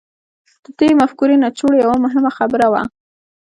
د دې مفکورې نچوړ يوه مهمه خبره وه.